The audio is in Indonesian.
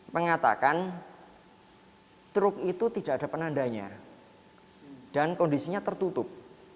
mengatakan truk itu tidak ada penandanya dan kondisinya tertutup